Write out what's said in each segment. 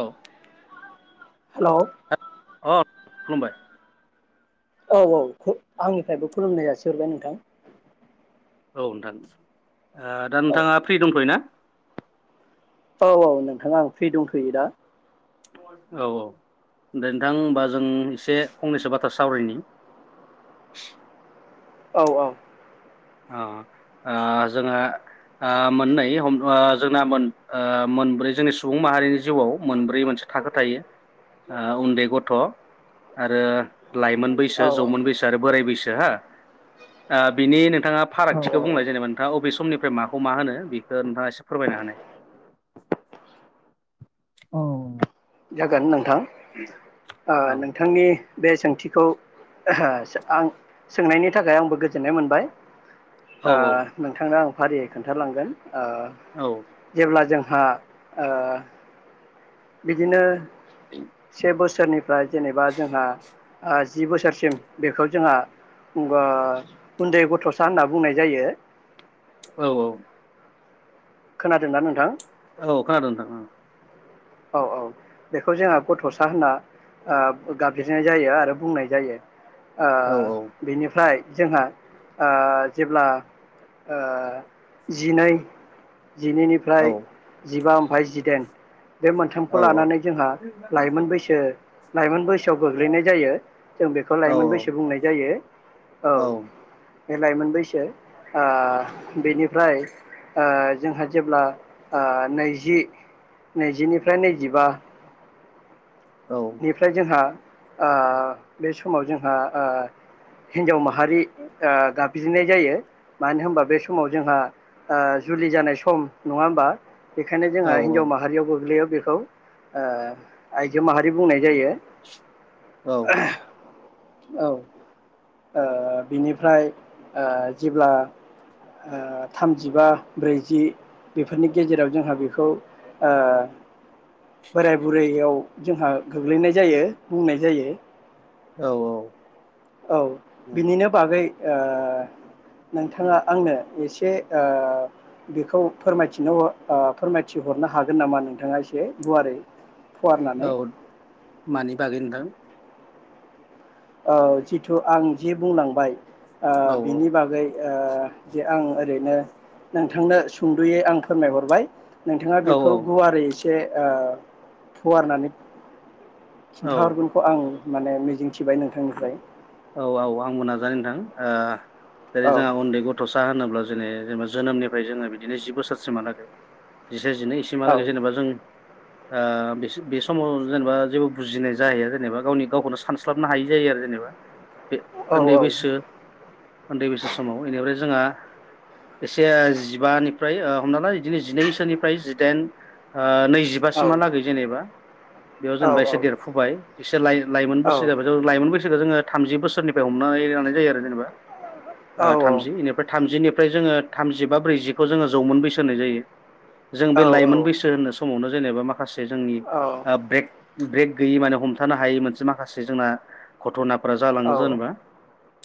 औ। हेलौ। अ खुलुमबाय। औ औ खु आंनिफ्रायबो खुलुमनाय जासिहरबाय नोंथां। औ नोंथां आ दा औ नोंथाङा फ्रि दंथ'यो ना? औ औ नोंथां आं फ्रि दंथ'यो दा। औ औ दे नोंथां होमबा जों एसे फंनैसो बाथ्रा सावरायनि। औ औ। आ आ आ जोङा आ मोननै हम आ जोंना मोन आ मोनब्रै जोंनि सुबुं माहारिनि जिउआव मोनब्रै मोनसे थाखो थायो आ उन्दै गथ' आरो लाइमोन औ बैसो जौमोन बैसो आरो बोराय बैसो। सो हा आ बिनि नो नोंथाङा फागथिखौ औ औ बुंनाय जेनेबा नोंथाङा अबे समनिफ्राय माखौ मा होनो बेखो नोंथाङा एसे फोरमायना होनाय। औ जागोन नों थां ओ औ नोंथांनि बे सोंथिखौ [unintelligible] आं सोंनायनि थाखाय आंबो गोजोननाय मोनबाय। औ ओ नोंथांनो आं फारियै खोन्थालांगोन। ओ औ जेब्ला जों हा ओ। बिदिनो से बोसोरनिफ्राय जेनेबा जोंहा ओ जि बोसोरसिम बेखौ जोंहा ओ उन्दै गथ'सा होनना बुंनाय जायो। औ औ। खोनादोंना नोंथां? औ खोनादों नोंथां ओ। औ औ। बेखौ जोंहा गथ'सा होनना ओ गाबज्रिनाय जायो आरो बुंनाय जायो। ओ औ बिनिफ्राय जोंहा ओ जेब्ला ओ जिनै औ जिनैनिफ्राय जिबा [unintelligible] बे औ मोनथामखौ लानानै जोंहा लाइमोन बैसो लाइमोन बैसोआव गोग्लैनाय जायो। जों बेखौ औ लाइमोन बैसो बुंनाय जायो औ। बे लाइमोन बैसो ओ बेनिफ्राय ओ जोंहा जेब्ला ओ नैजि नैजिनिफ्राय नैजिबा निफ्राय जोंहा ओ बे समाव जोंहा ओ हिन्जाव माहारि ओ गाबज्रिनाय जायो मानो होमबा बे समाव जोंहा ओ जुलि जानाय सम नङा होमबा? बेखायनो जोंहा हिन्जाव माहारियाव गोग्लैयो बेखौ ओ आइ बुंनाय जायो। औ ओ बिनिफ्राय ओ जेब्ला ओ थामजिबा ब्रैजि बेफोरनि गेजेराव जोंहा बेखौ ओ बोराय बुरैयाव जोंहा गोग्लैनाय जायो बुंनाय जायो। औ औ औ बिनिनो बागै ओ नोंथाङा आंनो एसे ओ बेखौ फोरमायथिनो ओ फोरमायथिहरनो हागोन नामा नोंथाङा एसे गुवारै? फुवारनानै औ मानि बागै नोंथां? ओ जिथु आं जे बुंलांबाय ओ औ बिनि बागै ओ जे आं ओरैनो नोंथांनो सुंद'यै आं फोरमायहरबाय। नोंथाङा औ बेखौ गुवारै एसे ओ फुवारनानै औ खिन्थाहरगोनखौ आं माने मिजिं औ औ आं [unintelligible] [unintelligible] नोंथां ओ जेरै औ जोंहा उन्दै गथ'सा होनोब्ला जेरै जेनेबा जोनोमनिफ्राय जोंङो बिदिनो जि बोसोरसिम हालागै जिसे जिनै औ इसेमहालागै जेनेबा जों ओ बेस-बेसमाव जेनेबा जेबो बुजिनाय जाहैया जेनेबा गावनि गावखौनो सानस्लाबनो हायि जायो आरो जेनेबा। बे औ उन्दै बैसो उन्दै बैसो समाव बेनिफ्राय जोंहा एसे जिबानिफ्राय ओ हमना ला इदिनो जिनैसोनिफ्राय जिदाइन ओ औ नैजिबासिमहालागै जेनेबा बेयाव औ जेनेबा एसे देरफुबाय एसे लाइ-लाइमोन औ बैसो जाबाय बैसोखौ जोंङो थामजि बोसोरनिफ्राय हमनानै लानाय जायो आरो जेनेबा। ओ थामजि बेनिफ्राय थामजिनि निफ्राय जोंङो थामजिबा ब्रैजिखौ जोंङो जौमोन बैसो होनाय जायो। जों औ बे लाइमोन बैसो होननो समावनो जेनबा माखासे जोंनि ब्रेक ब्रेक गैयि माने हमथानो हायि मोनसे माखासे जोंना घथ'ना फोरा जालांङो औ औ जेनेबा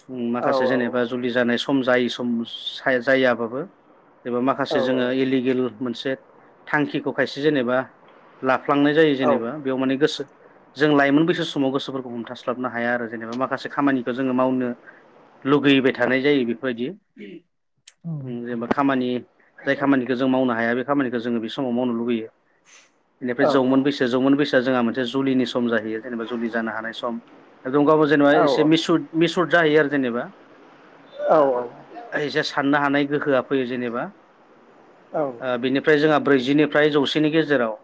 उम औ माखासे जेनेबा जुलि जानाय सम जायि सम साया जायाबाबो। एबा माखासे जोंङो इलिगेल मोनसे थांखिखौ खायसे जेनेबा ला फ्लांनाय जायो जेनेबा बेयाव माने गोसो जों लाइमोन बैसो समाव गोसोफोरखौ हमथास्ला स्लाबनो हाया आरो जेनेबा माखासे खामानिखौ जोंङो मावनो लुगैबाय थानाय जायो बेफोरबायदि। [inaudible] ओ जेनेबा खामानि जाय खामानिखौ जों मावनो हाया बे खामानिखौ जोङो बे समाव मावनो लुगैयो। बेनिफ्राय जौमोन बैसो जौमोन बैसो जोंहा मोनसे जुलिनि सम जाहैयो जेनेबा जुलि जानो हानाय सम। दं गावबो जेनेबा एसे मिसुद मिसुर। जाहैयो आरो जेनेबा। औ औ। एसे साननो हानाय गोहोआ फैयो जेनेबा। ओ बिनिफ्राय जोहा। ब्रैजिनिफ्राय जौसेनि गेजेराव।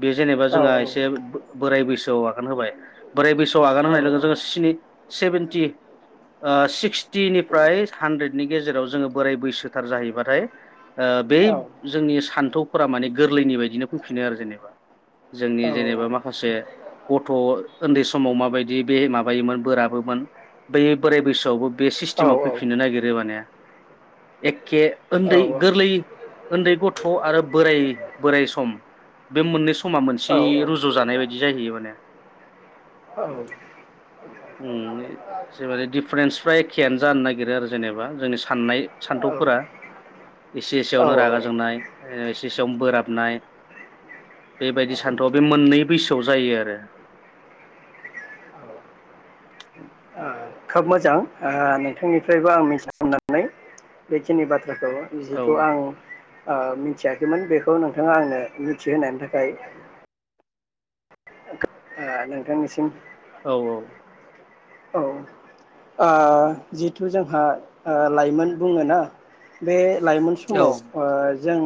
बे जेनेबा औ जोंहा एसे बो बोराय बैसो। सोआव आगोन होबाय। बोराय बैसोआव आगान होनाय। [unintelligible] स्नि सेभेनटि सिक्सटिनिफ्राय हानद्रेदनि गेजेराव जोङो बोराय बैसोथार जाहैबाथाय ओ बे जोंनि सान्थौ फोरा माने गोरलैनि बायदिनो फैफिनो आरो जेनेबा जोंनि जेनेबा माखासे गथ' ओन्दै समाव माबायद बि बे माबायोमोन बोराबोमोन बे बोराय बैसोआवबो बे सिस्टेमा फैफिननो नागिरो माने एक केे ओन्दै गोरलै ओन्दै गथ' आरो बोराय बोराय सम बे मोननै स समा मोनसेयै रुजु जानाय बायदि जाहैयो माने औ उम [unintelligible] जेबादि दिफारेन्सफ्रा एखेयानो जानो नाग नागिरो आरो जेनेबा जोंनि साननाय औ सान्थौफोरा एसे एसेयावनो औ रागा ओ जोंनाय ओ एसे एसेयावनो बोराबनाय बेबायदि सान्थौआ बे मोननै बैसोआव जायो आरो [inaudible] खोब मोजां ओ नोंथांनिफ्रायबो आं मिथिनो मोननानै बेखिनि बाथ फोरखौ औ जिहेथु आं ओ मिथियाखैमोन बेखौ नोंथाङा आंनो मिथिहोनायनि थाखाय ओ नोंथांनिसिम औ औ औ ओ जिहेथु जोंहा ओ लाइमोन बुङोना बे लाइमोन औ समाव ओ जों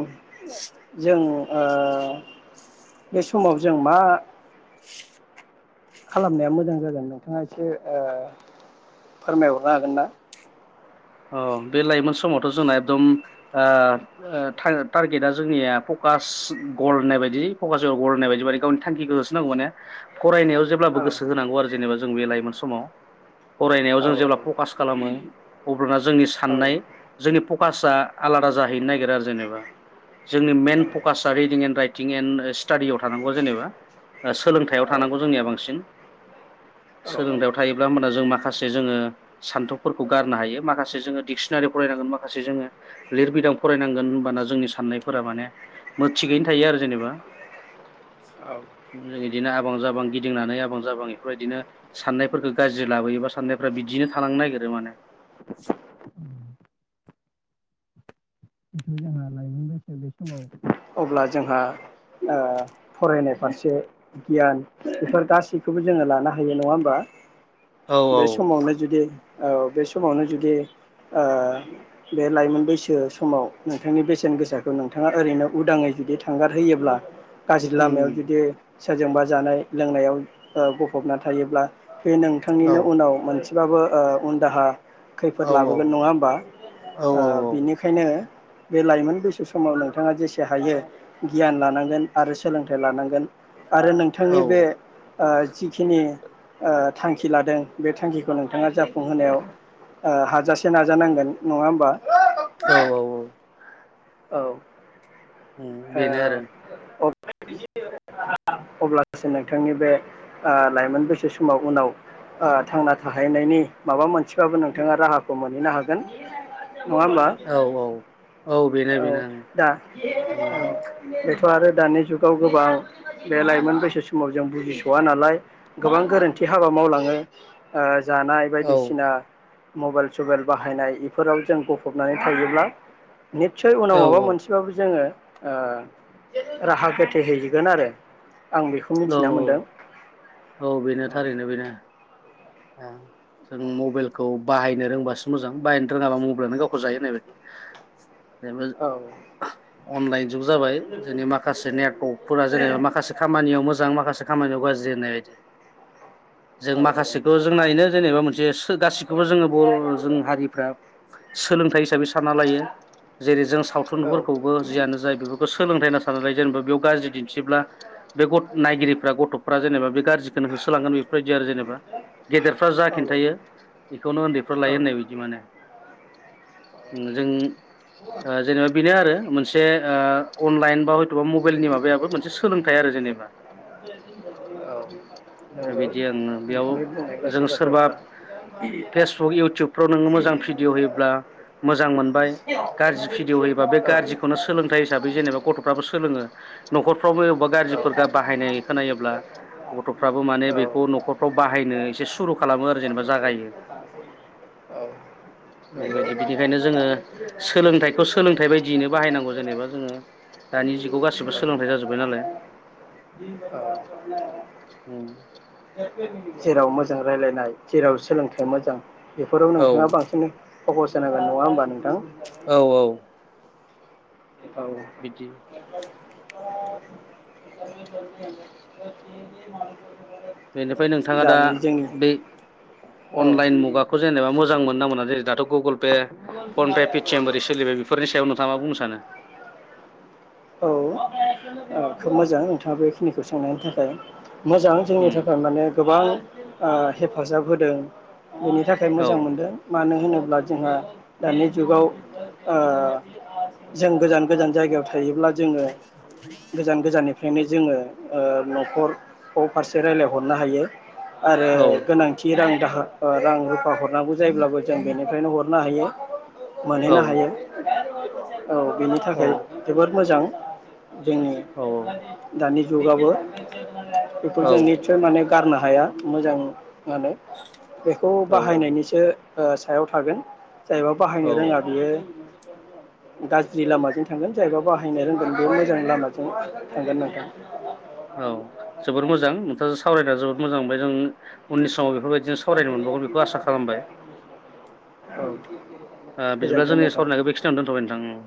जों ओ बे समाव जों मा? खालामनाया मोजां जागोन नोंथाङा एसे ओ फोरमायहरनो हागोन ना? अ बे लाइमोन समावथ' जोंना एकदम ओ ओ टारगेटआ जोंनिया फकास गल होननाय बायदि फकास इयर गल होननाय बायदि माने गावनि थांखिखौ होसोनांगौ माने फरायनायाव जेब्लाबो औ गोसो होनांगौ आरो जेनेबा जों बे लाइमोन समाव फरायनायाव औ जों जेब्ला पकास खालामो अब्लाना जोंनि साननाय जोंनि पकासा आलादा जाहैनो नागिरो आरो जेनेबा जोंनि मइेन फकासाआ रिदिं एन्ड राइटिं एन्ड स्टाडियाव थानांगौ जेनेबा ओ सोलोंथाइयाव थानांगौ औ जोंनिया बांसिन औ सोलोंथायाइयाव थायोब्ला होमबाना जों माखासे जोङो सान्थौफोरखौ गारनो हायो। माखासे जोङो डिक्सनारि फरायनांगोन माखासे जोङो लिरबिदां फरायनांगोन होनबाना जोंनि साननायफोरा माने मो थिगयैनो थायो आरो जेनेबा बिदिनो आबां जाबां गिदिंनानै आबां जाबां बेफोर बिदिनो साननायफोरखौ गाज्रि लाबोयोबा साननायफोरा बिदिनो थालांनो नागिरो माने। [inaudible] जिथु जोंहा लाइमोन बैसो बे समाव अब्ला जोंहा ओ फरायनाय फारसे गियान बेफोर गासैखौबो जोङो लानो हायो नङा ओमबा? औ औ बे समावनो जुदि औ बे समावनो जुदि ओ बे लाइमोन बैसो समाव नोंथांनि बेसेन गोसाखौ नोंथाङा ओरैनो उदाङै जुदि थांगारहोयोब्ला गाज्रि लामायाव उम जुदि सोरजोंबा जानाय लोंनायाव ओ गफबना थायोब्ला बे औ नोंथांनिनो उनाव मोनसे जाबो ओ उन्दाहा खैफोद औ औ लाबोगोन नङा होमबा औ ओ औ बिनिखायनो बे लाइमोन बैसो समाव नोंथाङा जेसे हायो गियान लानांगोन आरो सोलोंथाइ लानांगोन। आरो नोंथांनि बे ओ जिखिनि ओ थांखि लादों बे थांखिखौ नोंथाङा जाफुंहोनायाव ओ हाजासे नाजानांगोन नङा होमबा। औ औ औ औ उम औ बेनो आरो अब अब्लासो नोंथांनि बे ओ लाइमोन बैसो समाव उनाव ओ थांना थाहैनायनि माबा मोनसेबाबो नोंथाङा राहाखौ मोनहैनो हागोन। नङा होमबा औ औ औ बेनो औ बेनो ओं दा जोंना औ बे बेथ' आरो दानि जुगाव गोबां बे लाइमोन बैसो समाव जों बुजिस'वा नालाय गोबां गोरोन्थि हाबा मावलाङो। ओ जानाय औ बायदिसिना मबाइल सबाइल बाहायनाय इफोराव जों बफबनानै थायोब्ला। निथसय उनाव औ माबा मोनसेबाबो जोङो ओ राहा गोथे हैैगोन आरो। आं बेखौ औ मिथिना मोनदों औ औ बेनो थारैनो बेनो। ओ जों मबाइलखौ बाहायनो रोंबासो मोजां बाहायनो रोङाब्ला मबाइलानो गावखौ जायो होननाय बायदि। बेबो औ अनलाइथ जुग जाबाय जोंनि माखासे नेर्क जेनेबा माखासे खामानियाव मोजां माखासे खामानियाव गाज्रि होननाय जों औ माखासेखौ जोंना नो जेनेबा मोनसे सो गासिखोबो जोङो बर' जों हारिफ्रा सोलोंथाइ हिसाबै सानना लायो। जेरै जों सावथुनफोरखौबो जियानो जाया बेफोरखौ सोलोंथाइ होनना सानना लायो। जेनेबा बेयाव गाज्रि बिबथिब्ला बे गथ नायगिरिफ्रा गथ'फ्रा जेनेबा बे गाज्रिखौनो होसोलांगोन बेफोरबायदि आरो जेनेबा गेदेरफ्रा जा औ खिन्थायो बेखौनो उन्दैफ्रा औ लायो होननाय बायदि माने। ओं जों ओ जेनेबा बेनो आरो मोनस बे ओ अनलान बा थ' बा मबाइलनि माबायाबो मोनसे सोलोंथाइ आरो जेनेबा। औ बिदि आङो बेयाव गासै जों सोरबा बाथ्राफ्रा फेसबुक इउटुबफ्राव नोङो मोजां भिडिय' होयोब्ला मोजां मोनबाय। गाज्रि भिडिअ' होयोबा बे औ गाज्रिखौनो सोलोंथाइ हिसाबै जेनेबा गथ'फ्राबो सोलोङो न'खरफ्रावबो बा गाज्रिफोरख बाहायनाय खोननायोब्ला गथ' एसे सुरु खालामो आरो जेनेबा जागायो औ बेफोरबायदि बिनिखायनो जोङो सोलोंथाइखौ [inaudible] सोलोंथाइ बायदियैनो बाहायनांगौ जेनेबा जोङो दानि जुगाव गासिबो सोलोंथाइ जाजोब्बाय औ नालाय [inaudible] उम जेराव मस रायज्लायनाय। जेराव सोलोंथाइ मोजां बेफोराव औ नोंथाङा बांसिननै फखस होनांगोन नङा होनोमबा। औ औ बिदि औ [inaudible] बेनिफ्राय नोंथाङा दा बै औ औ अनलाइन मुगाखौ जेनेबा मोजां मोनना मोना जेरै दाथ' गुगोल पे फनपे पेटिएम बोरै सोलिबाय बेफोरनि सायाव नोंथाङा मा बुंनो सानो। [inaudible] औ खोब मोजां नोंथाङा बेखिनि गसंनायनि थाखाय। मोजां जोंनि उम थाखाय माने गोबां ओ हेफाजाब होदों। बेनि थाखाय औ मोजां मोनदों मानो होनोब्ला अब्ला जोंहा दानि जुगाव ओ जों गोजान गोजान जायगायाव थायोब्ला जोङो गोजान गोजाननिफ्राय बेखायनो जोङो न'खरखौ फारसे रायज्लायहरनो हायो आरो औ गोनांथि रां दाह रां रुफा हरनांगौ जायोब्लाबो जों बेनिफ्रायनो हरनो हायो औ मोनहैनो हायो औ बेनि औ थाखाय मोजां जोंनि औ दानि [unintelligible] बेखौ औ जों निसय माने गारनो हाया मोजां मा होनो बेखौ औ बाहायनायनिसो सायाव थागोन जायबा बाहायनो औ रोङा बियो गाज्रि लामाजों थांगोन जायबा बाहायनो रोंगोन बेयाव मोजां लामाजों थांगोन नोंथां औ जोबोर मोजां नोंथांजों सावरायना जो मोजां मोनबाय जों उननि समाव बेफोरबायदिनो सावरायनो मोनबावगोन बेखौ आसा खालामबाय औ ओ बिदिब्ला गोजोन्थों जोंनि नोंथां। सावरायनायखौ बेखिनियावनो दोनथ'बाय नोंथां।